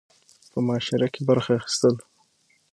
په مشاعره کې برخه اخستل